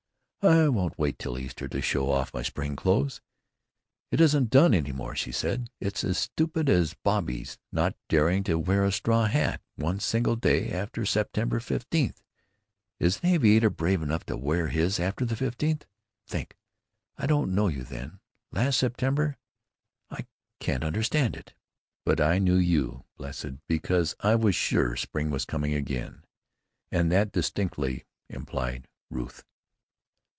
"I won't wait till Easter to show off my spring clothes. It isn't done any more," she said. "It's as stupid as Bobby's not daring to wear a straw hat one single day after September fifteenth. Is an aviator brave enough to wear his after the fifteenth?... Think! I didn't know you then—last September. I can't understand it." "But I knew you, blessed, because I was sure spring was coming again, and that distinctly implied Ruth."